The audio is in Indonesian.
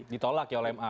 ditolak ya oleh ma